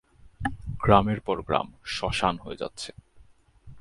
গ্রামের পর গ্রাম শ্মশান হয়ে যাচ্ছে।